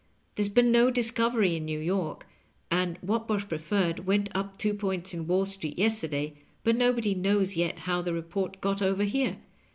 There^s been no discovery in New York, and Whatbosh Preferred went up two points in Wall Street yesterday ; but nobody knows yet how the report got over here.